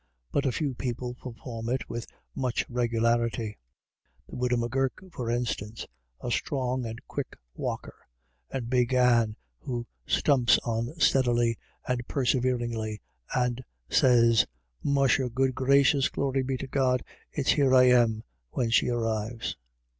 But a few people perform it xfi4 THUNDER IN THE AIR. 165 with much regularity; the widow M'Gurk, for instance, a strong and quick walker, and Big Anne, who stumps on steadily and perseveringly, and says, " Musha, good gracious, glory be to God, it's here I am," when she arrives.